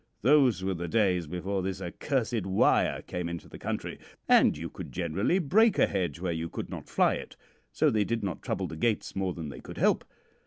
Those were the days before this accursed wire came into the country, and you could generally break a hedge where you could not fly it, so they did not trouble the gates more than they could help.